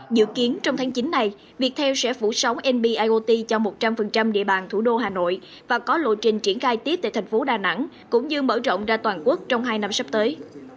dự kiến trong tháng chín này viettel sẽ phủ sóng nb iot cho một trăm linh địa bàn thủ đô hà nội và có lộ trình triển khai tiếp tại thành phố đà nẵng cũng như mở rộng ra toàn quốc trong hai năm sắp tới